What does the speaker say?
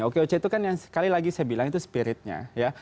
oke oke itu kan yang sekali lagi saya bilang itu spiritnya ya